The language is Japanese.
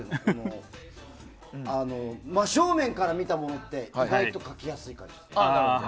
真正面から見たものって意外と描きやすい感じがする。